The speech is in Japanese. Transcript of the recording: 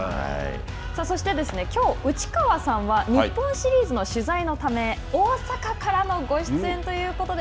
そしてですね、きょう内川さんは、日本シリーズの取材のため、大阪からのご出演ということで。